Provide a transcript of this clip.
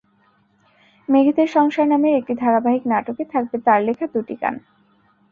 মেঘেদের সংসার নামের একটি ধারাবাহিক নাটকে থাকবে তাঁর লেখা দুটি গান।